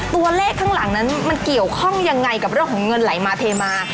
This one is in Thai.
ข้างหลังนั้นมันเกี่ยวข้องยังไงกับเรื่องของเงินไหลมาเทมา